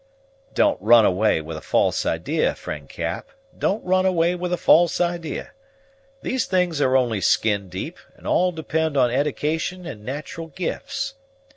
"Don't run away with a false idee, friend Cap, don't run away with a false idee. These things are only skin deep, and all depend on edication and nat'ral gifts.